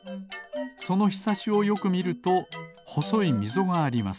そのひさしをよくみるとほそいみぞがあります。